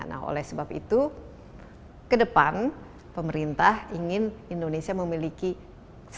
nah oleh sebab itu ke depan pemerintah ingin indonesia memiliki kualitas